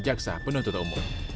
jaksa penuntut umum